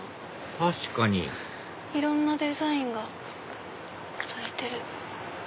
確かにいろんなデザインがされてる。